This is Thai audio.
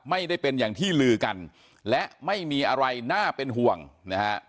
ไม่ได้เป็นอย่างที่ลือกันและไม่มีอะไรน่าเป็นห่วงนะฮะ